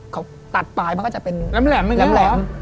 เขาตัดปลายมันก็จะเป็นแหลม